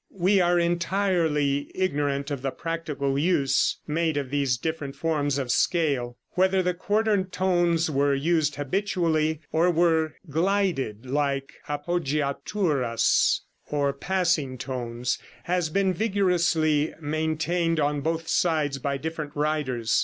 We are entirely ignorant of the practical use made of these different forms of scale. Whether the quarter tones were used habitually, or were glided like appoggiaturas, or passing tones, has been vigorously maintained on both sides by different writers.